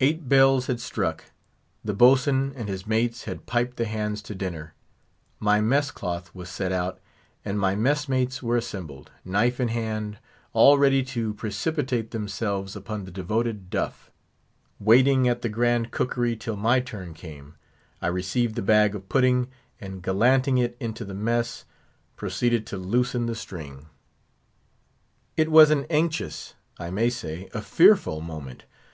Eight bells had struck. The boatswain and his mates had piped the hands to dinner; my mess cloth was set out, and my messmates were assembled, knife in hand, all ready to precipitate themselves upon the devoted duff: Waiting at the grand cookery till my turn came, I received the bag of pudding, and gallanting it into the mess, proceeded to loosen the string. It was an anxious, I may say, a fearful moment.